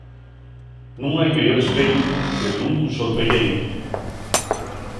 Nun hai meyor espeyu que l'untu sol pelleyu.